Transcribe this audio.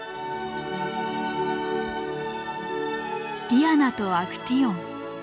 「ディアナとアクティオン」。